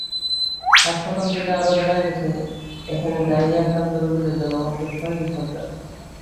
হাসপাতাল থেকে আরও জানা গেছে, এখানে ডায়রিয়া-আক্রান্ত রোগীদের জন্য মাত্র ছয়টি শয্যা আছে।